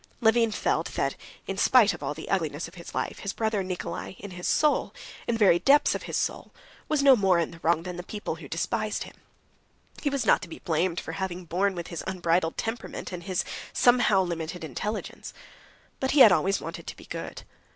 Levin felt that, in spite of all the ugliness of his life, his brother Nikolay, in his soul, in the very depths of his soul, was no more in the wrong than the people who despised him. He was not to blame for having been born with his unbridled temperament and his somehow limited intelligence. But he had always wanted to be good.